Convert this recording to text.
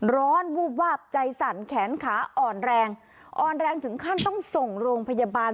วูบวาบใจสั่นแขนขาอ่อนแรงอ่อนแรงถึงขั้นต้องส่งโรงพยาบาล